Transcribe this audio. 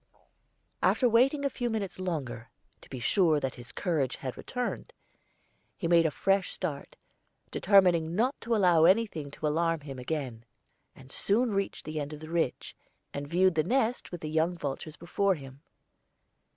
After waiting a few minutes longer, to be sure that his courage had returned, he made a fresh start, determining not to allow anything to alarm him again; and soon reached the end of the ridge, and viewed the nest with the young vultures before him.